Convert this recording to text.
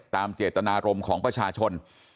ตามเจตนารมณ์ของประชาชน